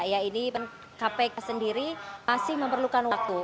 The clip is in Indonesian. ya ini kpk sendiri masih memerlukan waktu